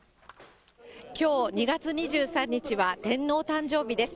きょう２月２３日は天皇誕生日です。